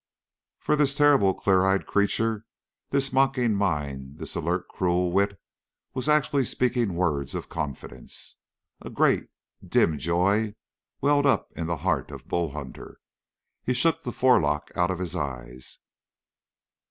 For this terrible, clear eyed creature, this mocking mind, this alert, cruel wit was actually speaking words of confidence. A great, dim joy welled up in the heart of Bull Hunter. He shook the forelock out of his eyes.